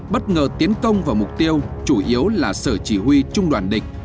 bất ngờ tiến công vào mục tiêu chủ yếu là sở chỉ huy trung đoàn địch